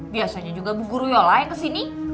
biasanya juga bu guru yola ya kesini